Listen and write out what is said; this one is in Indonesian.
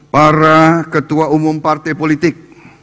para ketua umum partai politik